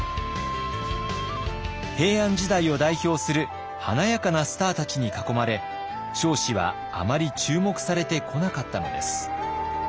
平安時代を代表する華やかなスターたちに囲まれ彰子はあまり注目されてこなかったのです。